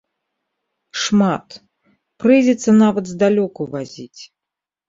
Шмат, прыйдзецца нават здалёку вазіць.